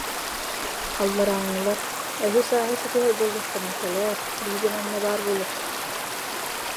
Алларааҥҥылар: «Өһү-сааһы ситиһэр буоллаххына, кэлээр, биһиги манна баар буолуохпут»